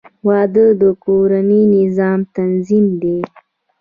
• واده د کورني نظام تنظیم دی.